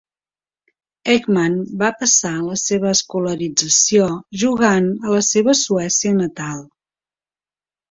Ekman va passar la seva escolarització jugant a la seva Suècia natal.